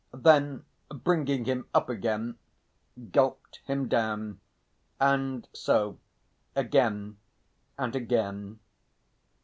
Then bringing him up again, gulped him down, and so again and again.